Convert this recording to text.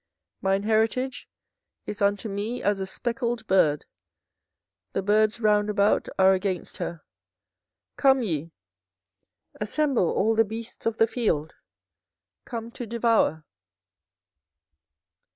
24:012:009 Mine heritage is unto me as a speckled bird, the birds round about are against her; come ye, assemble all the beasts of the field, come to devour.